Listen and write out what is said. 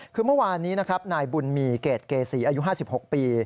คือเมื่อวานนี้นะครับนายบุญมีเกรดเกษีอายุ๕๖ปี